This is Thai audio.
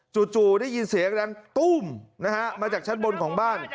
จู่ได้ยินเสียงดังตุ้มนะฮะมาจากชั้นบนของบ้าน